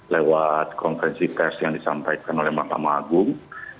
lewat konferensi pers yang disampaikan oleh mahkamah agung